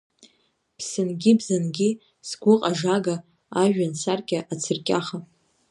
Ԥсынгьы бзангьы сгәыҟажага, ажәҩан саркьа ацырҟьаха.